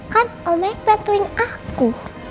kan om may bantuin aku